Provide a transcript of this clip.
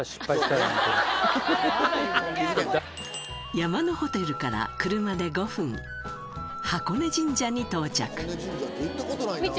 山のホテルから車で５分箱根神社に到着